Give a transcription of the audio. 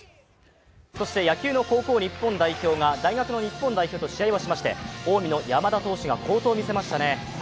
そして野球の高校日本代表が大学の日本代表と試合をしまして近江の山田投手が好投を見せましたね。